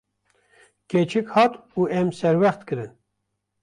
Keçik hat û em serwext kirin.